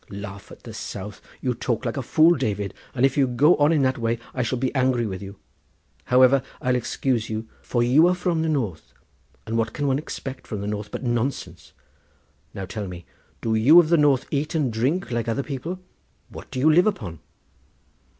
Laugh at the south! you talk like a fool, David, and if you go on in that way I shall be angry with you. However, I'll excuse you; you are from the north, and what can one expect from the north but nonsense? Now tell me, do you of the north eat and drink like other people? What do you live upon?"